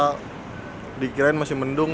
kalau dikirain masih mendung